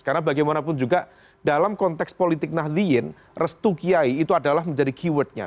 karena bagaimanapun juga dalam konteks politik nahdliin restu kiai itu adalah menjadi keywordnya